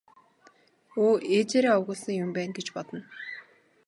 Өө ээжээрээ овоглосон юм байна гэж бодно.